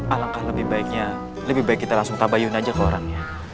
alangkah lebih baiknya lebih baik kita langsung tabayun aja ke orangnya